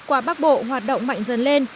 qua bắc bộ hoạt động mạnh dần lên